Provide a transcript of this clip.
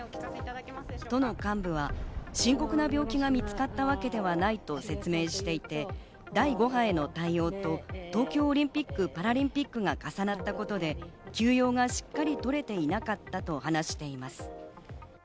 都の幹部は深刻な病気が見つかったわけではないと説明していて、第５波への対応と東京オリンピック・パラリンピックが重なったことで休養がしっかり取れていなかったと話しています。